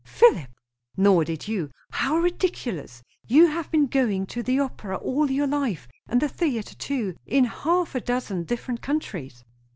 "Philip!" "Nor did you." "How ridiculous! You have been going to the opera all your life, and the theatre too, in half a dozen different countries."